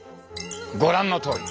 ご覧のとおり！